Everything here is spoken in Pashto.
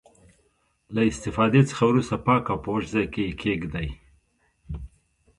له استفادې څخه وروسته پاک او په وچ ځای کې یې کیږدئ.